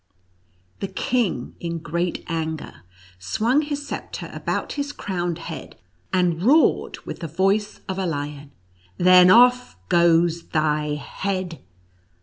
The king in great anger swung his sceptre about his crowned head, and roared with the voice of a lion, " Then off goes thy head